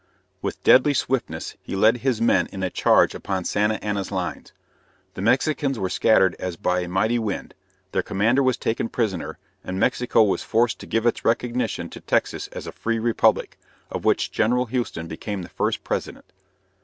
With deadly swiftness he led his men in a charge upon Santa Anna's lines. The Mexicans were scattered as by a mighty wind, their commander was taken prisoner, and Mexico was forced to give its recognition to Texas as a free republic, of which General Houston became the first president.